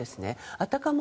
あたかも